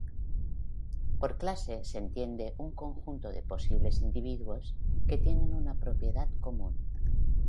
Por clase se entiende un conjunto de posibles individuos que tienen una propiedad común.